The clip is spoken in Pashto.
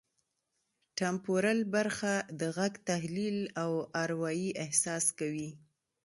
ټمپورل برخه د غږ تحلیل او اروايي احساس کوي